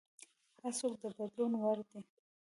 هر څوک د بدلون وړ دی.